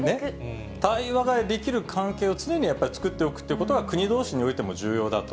対話ができる環境をいつも作っておくっていうことが、国どうしにおいても重要だと。